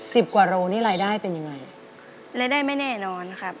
สิบกว่าโรงนี่รายได้เป็นยังไงรายได้ไม่แน่นอนครับ